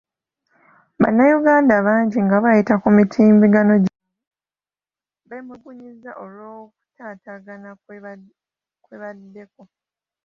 Bannayuganda bangi nga bayita ku mitimbagano gyabwe beemulugunyizza olw'okutaatagana kwe baddeko.